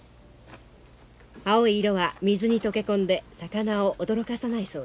青い色は水に溶け込んで魚を驚かさないそうです。